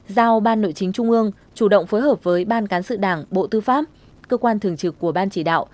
giao ban nội chính trung ương chủ động phối hợp với ban cán sự đảng bộ tư pháp cơ quan thường trực của ban chỉ đạo